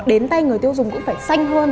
đến tay người tiêu dùng cũng phải xanh hơn